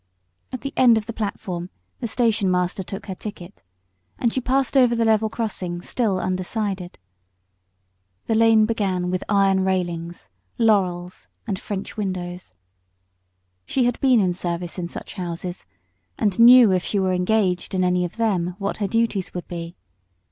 At the end of the platform the station master took her ticket, and she passed over the level crossing still undecided. The lane began with iron railings, laurels, and French windows. She had been in service in such houses, and knew if she were engaged in any of them what her duties would be.